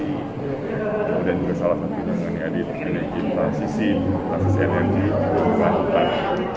kemudian juga salah satunya meniadi penyelidikan transisi transisi energi dan perubahan hutan